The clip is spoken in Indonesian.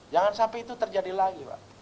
jangan sampai itu terjadi lagi pak